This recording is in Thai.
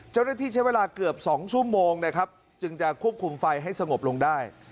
เจ้าหน้าที่ใช้เวลาเกือบ๒ชั่วโมงนะครับจึงจะควบคุมไฟให้สงบลงได้